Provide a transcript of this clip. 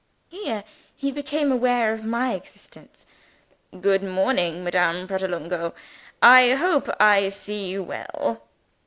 (Here he became aware of my existence.) "Good morning, Madame Pratolungo; I hope I see you well?